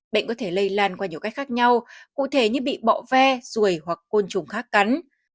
bệnh có thể lây lan qua nhiều cách khác nhau cụ thể như bị bọ ve ruồi hoặc côn trùng khác cắn